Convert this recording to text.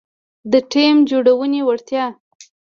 -د ټیم جوړونې وړتیا